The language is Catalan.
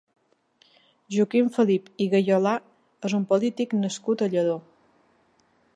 Joaquim Felip i Gayolà és un polític nascut a Lladó.